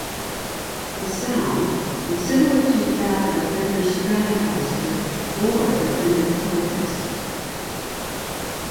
The sound was similar to that of a Fender Stratocaster or a Fender Telecaster.